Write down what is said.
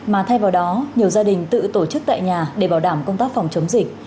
mà thay vào đó nhiều gia đình tự tổ chức tại nhà để bảo đảm công tác phòng chống dịch